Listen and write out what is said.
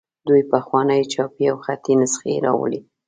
دوی پخوانۍ چاپي او خطي نسخې راوړي.